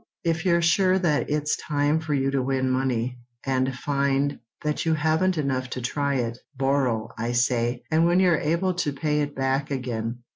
If you're sure that it's time for you to win money, and find that you haven't enough to try it, borrow, I say, and when you're able pay it back again."